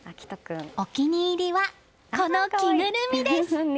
お気に入りは、この着ぐるみです。